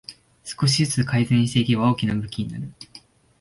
少しずつ改善していけば大きな武器になる